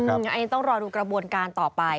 อันนี้ต้องรอดูกระบวนการต่อไป